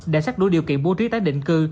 đã xác đủ điều kiện bố trí tác định cư